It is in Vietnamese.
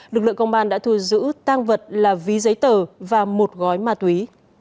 lực lượng công an đã thu giữ tang vật là ví giấy tờ và một gói ma túy